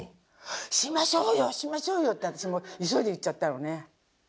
「しましょうよしましょうよ」って私も急いで言っちゃったのね。